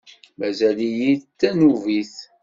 Mazal-iyi d tanubit.